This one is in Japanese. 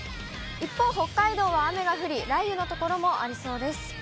一方、北海道は雨が降り、雷雨の所もありそうです。